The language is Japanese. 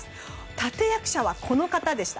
立役者はこの方でした。